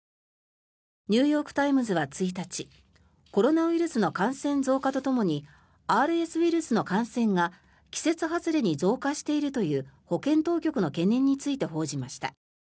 ニューヨーク・タイムズは１日コロナウイルスの感染増加とともにＲＳウイルスの感染が季節外れに増加しているという保健当局の懸念について報じました。